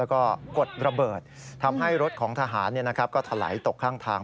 แล้วก็กดระเบิดทำให้รถของทหารก็ถลายตกข้างทาง